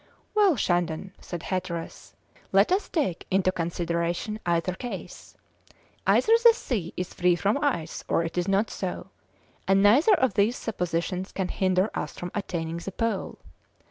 "Well, Shandon," said Hatteras, "let us take into consideration either case; either the sea is free from ice or it is not so, and neither of these suppositions can hinder us from attaining the Pole.